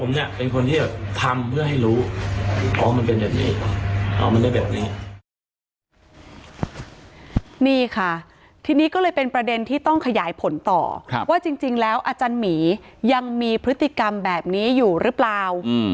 นี่ค่ะทีนี้ก็เลยเป็นประเด็นที่ต้องขยายผลต่อว่าจริงแล้วอาจารย์หมียังมีพฤติกรรมแบบนี้อยู่หรือเปล่า